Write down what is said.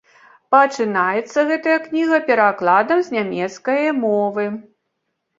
Пачынаецца гэтая кніга перакладам з нямецкае мовы.